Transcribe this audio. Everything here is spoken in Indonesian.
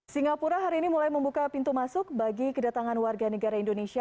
singapura hari ini mulai membuka pintu masuk bagi kedatangan warga negara indonesia